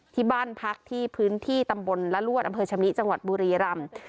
ที่บ้านพักที่พื้นที่ตำบลละลวดอำเภอชะมิจังหวัดบุรีรำ